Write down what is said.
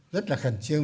rất là khẩn trương